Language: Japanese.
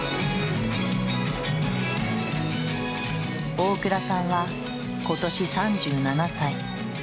大倉さんは今年３７歳。